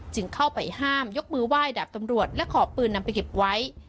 เข้าไปห้ามยกมือไหว้ดาบตำรวจและขอปืนนำไปเก็บไว้